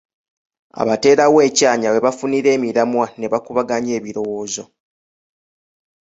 Abateerawo ekyanya we bafunira emiramwa ne bakubaganya ebirowoozo